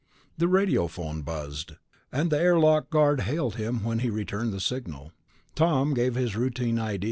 The radiophone buzzed, and the airlock guard hailed him when he returned the signal. Tom gave his routine ID.